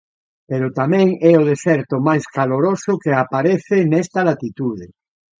Pero tamén é o deserto máis caloroso que aparece nesta latitude.